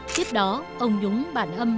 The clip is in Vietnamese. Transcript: tiếp đó ông nhúng bản âm